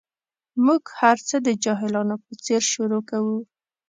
موږ هر څه د جاهلانو په څېر شروع کوو.